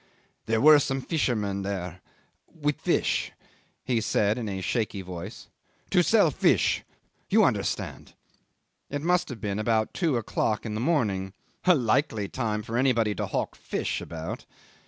"There were some fishermen there with fish," he said in a shaky voice. "To sell fish you understand." ... It must have been then two o'clock in the morning a likely time for anybody to hawk fish about!